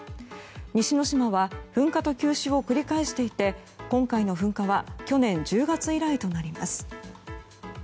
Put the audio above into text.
西之島は噴火と休止を繰り返していて今回の噴火は去年１０月以来となります。